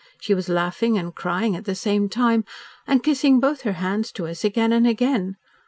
She was laughing and crying at the same time, and kissing both her hands to us again and again.